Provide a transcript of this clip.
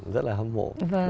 rất là hâm mộ